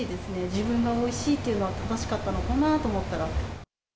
自分がおいしいというのは正しかったのかなと思ったら。